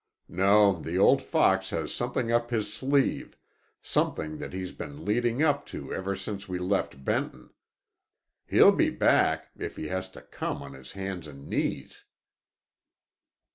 No, the old fox has something up his sleeve—something that he's been leading up to ever since we left Benton. He'll be back, if he has to come on his hands and knees."